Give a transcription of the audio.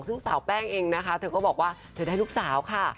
ซึ่งสาวแป้งเองนะคะเธอก็บอกว่าเธอได้ลูกสาวค่ะ